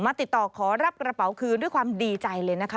ติดต่อขอรับกระเป๋าคืนด้วยความดีใจเลยนะคะ